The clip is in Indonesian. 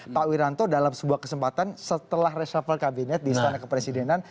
pak wiranto dalam sebuah kesempatan setelah reshuffle kabinet di istana kepresidenan